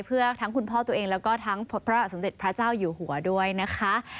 เพื่อทั้งคุณพ่อตัวเองแล้วก็ทั้งพระสมเด็จพระเจ้าอยู่หัวด้วยนะคะ